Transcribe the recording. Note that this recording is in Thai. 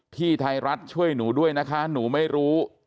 ไทยรัฐช่วยหนูด้วยนะคะหนูไม่รู้